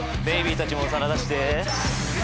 ベビーたちもお皿出して。